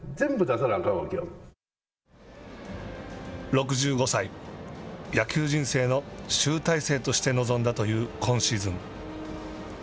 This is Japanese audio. ６５歳、野球人生の集大成として臨んだという今シーズン。